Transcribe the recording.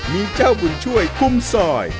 มีเจ้าบุญช่วยคุมซอย